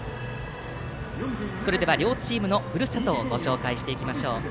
それでは両チームのふるさとをご紹介します。